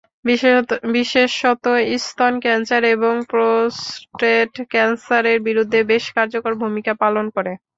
বিশেষত স্তন ক্যানসার এবং প্রস্টেট ক্যানসারের বিরুদ্ধে বেশ কার্যকর ভূমিকা পালন করে।